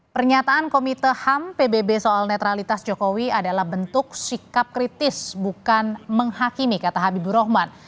pernyataan komite ham pbb soal netralitas jokowi adalah bentuk sikap kritis bukan menghakimi kata habibur rahman